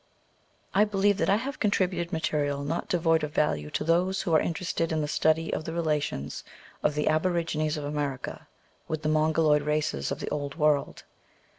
I believe that I have contributed material not devoid of value to those who are interested in the study of the relations of the aborigines of America with the Mongoloid races of the Old World.